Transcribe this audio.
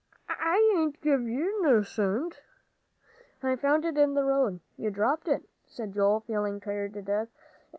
I hain't give ye no cent." "I found it in the road. You dropped it," said Joel, feeling tired to death.